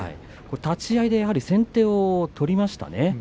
立ち合いで明生先手を取りましたね。